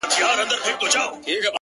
لږه توده سومه زه؛